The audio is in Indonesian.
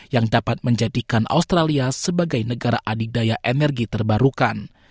yang dapat menjadikan australia sebagai negara adidaya energi terbarukan